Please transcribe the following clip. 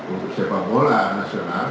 untuk sepak bola nasional